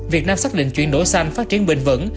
việt nam xác định chuyển đổi xanh phát triển bình vẩn